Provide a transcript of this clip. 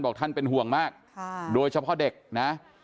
ท่านเป็นห่วงมากโดยเฉพาะเด็กนะ